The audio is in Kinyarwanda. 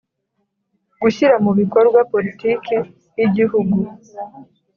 Gushyira mu bikorwa politiki y igihugu